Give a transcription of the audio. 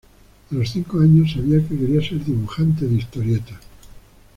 A los cinco años, sabía que quería ser dibujante de historietas.